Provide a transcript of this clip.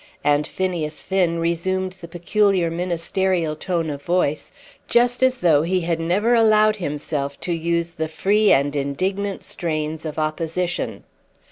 And Phineas Finn resumed the peculiar ministerial tone of voice just as though he had never allowed himself to use the free and indignant strains of opposition.